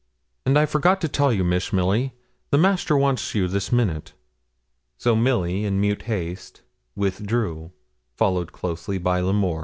'And I forgot to tell you, Miss Milly, the master wants you this minute.' So Milly, in mute haste, withdrew, followed closely by L'Amour.